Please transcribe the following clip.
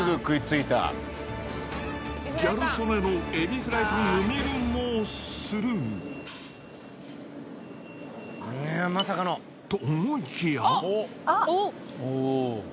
ギャル曽根のエビフライパンを見るもスルー。と思いきや。